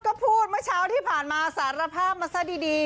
ก็พูดเมื่อเช้าที่ผ่านมาสารภาพมาซะดี